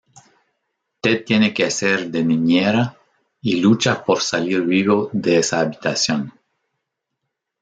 Ted tiene que hacer de niñera y lucha por salir vivo de esa habitación.